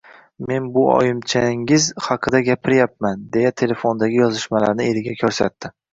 Mana bu oyimchangiz haqida gapiryapman, deya telefondagi yuzishmalarni eriga ko`rsatdi